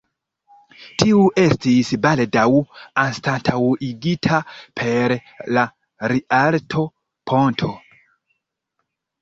Tiu estis baldaŭ anstataŭigita per la Rialto-ponto.